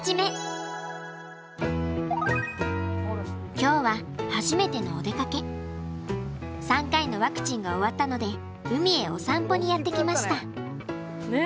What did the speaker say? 今日は３回のワクチンが終わったので海へお散歩にやって来ました。